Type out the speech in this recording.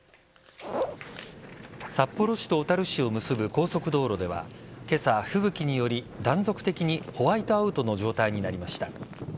札幌市と小樽市を結ぶ高速道路では今朝、吹雪により断続的にホワイトアウトの状態になりました。